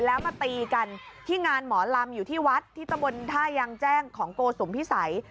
แล้วมาตีกันที่งานหมอลำอยู่ที่วัดที่ตะบนท่ายางแจ้งของโกสุมพิสัย